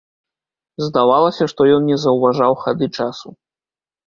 Здавалася, што ён не заўважаў хады часу.